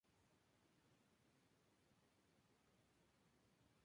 Bautista era conocido por su gran habilidad para marcar goles y por su velocidad.